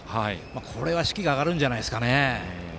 これは士気が上がるんじゃないですかね。